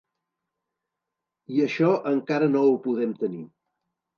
I això encara no ho podem tenir.